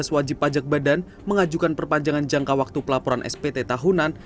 tujuh belas wajib pajak badan mengajukan perpanjangan jangka waktu pelaporan spt tahunan